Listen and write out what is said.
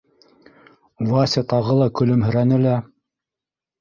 Вася тағы ла көлөмһөрәне лә: